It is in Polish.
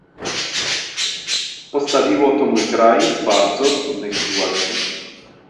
Postawiło to mój kraj w bardzo trudnej sytuacji